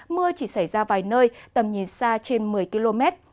mưa chỉ xảy ra vài nơi tầm nhìn xa trên một mươi km